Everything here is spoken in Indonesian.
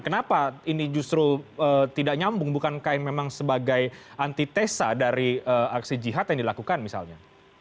kenapa ini justru tidak nyambung bukankah memang sebagai antitesa dari aksi jihad yang dilakukan misalnya